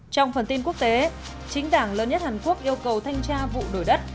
trong phần tin quốc tế chính đảng lớn nhất hàn quốc yêu cầu thanh tra vụ đổi đất